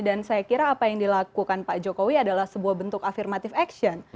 dan saya kira apa yang dilakukan pak jokowi adalah sebuah bentuk affirmative action